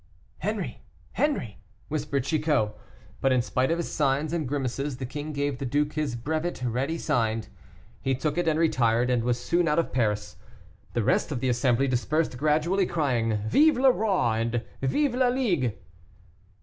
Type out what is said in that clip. "Henri, Henri!" whispered Chicot; but, in spite of his signs and grimaces, the king gave the duke his brevet ready signed. He took it and retired, and was soon out of Paris. The rest of the assembly dispersed gradually, crying, "Vive le Roi! and Vive la Ligue!"